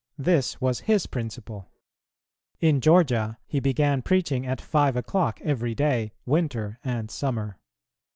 This was his principle. In Georgia, he began preaching at five o'clock every day, winter and summer.